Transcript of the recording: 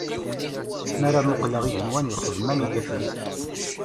Mi ara muqqleɣ igenwan, lxedma n yifassen-ik.